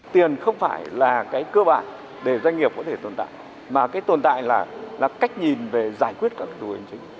tiền không phải là cái cơ bản để doanh nghiệp có thể tồn tại mà cái tồn tại là cách nhìn về giải quyết các vấn đề chính